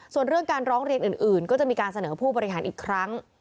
ส่วนเรื่องการร้องเรียนอื่นก็จะมีการเสนอผู้บริหารอีกครั้ง